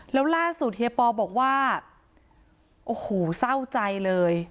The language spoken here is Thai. แล้วล่าสุดเฮียปอบอกว่าโอ้โหเศร้าใจเลย